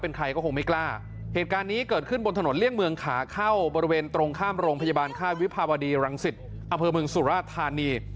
เป็นใครก็คงไม่กล้าเหตุการณ์นี้เกิดขึ้นบนถนนเลี่ยงเมืองขาเข้าบริเวณตรงข้ามโรงพยาบาลค่ายวิภาวดีรังสิตอำเภอเมืองสุราธานี